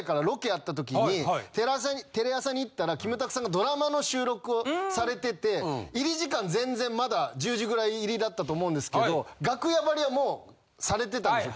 テレ朝に行ったらキムタクさんがドラマの収録をされてて入り時間全然まだ１０時ぐらい入りだったと思うんですけど楽屋貼りはもうされてたんですよ